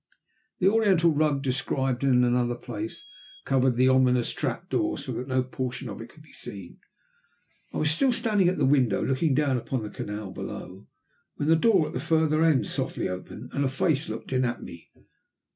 The oriental rug, described in another place, covered the ominous trap door so that no portion of it could be seen. I was still standing at the window looking down upon the canal below, when the door at the further end softly opened and a face looked in at me.